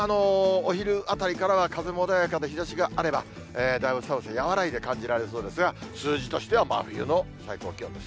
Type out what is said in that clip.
お昼あたりからは風も穏やかで、日ざしがあれば、だいぶ寒さ和らいで感じそうですが、数字としては真冬の最高気温です。